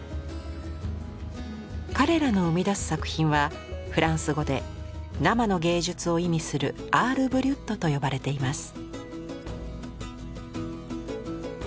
彼らの生みだす作品はフランス語で生の芸術を意味するアール・ブリュットと呼ばれています。